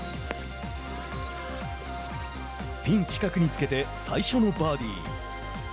ピン近くにつけて最初のバーディー。